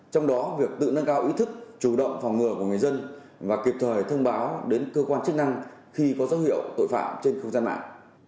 trong đó việc tự nâng cao ý thức chủ động phòng ngừa của người dân và kịp thời thông báo đến cơ quan chức năng khi có dấu hiệu tội phạm trên không gian mạng